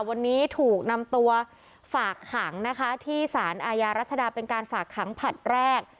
วันนี้ถูกนำตัวฝากขังนะคะที่สารอาญารัชดาเป็นการฝากขังผลัดแรก